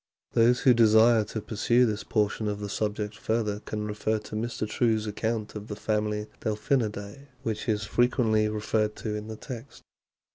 Those who desire to pursue this portion of the subject further can refer to Mr. True's account of the family Delphinidae, which is frequently referred to in the text.